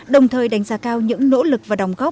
đồng thời đánh giá cao những nỗ lực và đồng góp